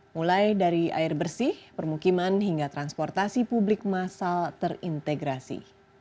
mulai dari air bersih permukiman hingga transportasi publik masal terintegrasi